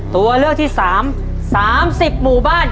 ตัวเลือกที่๓๓๐หมู่บ้าน